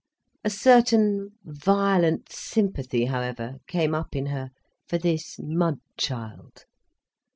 A certain violent sympathy, however, came up in her for this mud child.